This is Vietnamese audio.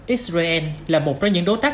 israel là một trong những đối tác